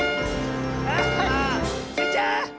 あ！スイちゃん！